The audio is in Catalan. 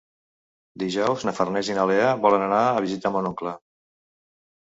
Dijous na Farners i na Lea volen anar a visitar mon oncle.